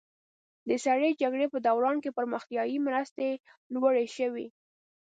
د سړې جګړې په دوران کې پرمختیایي مرستې لوړې شوې.